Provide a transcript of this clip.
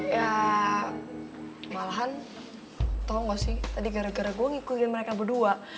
ya malahan tau gak sih tadi gara gara gue ngikutin mereka berdua